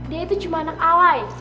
dia itu cuma anak alai